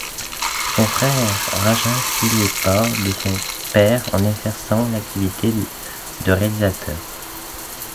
Son frère Raja suit les pas de son père en exerçant l'activité de réalisateur.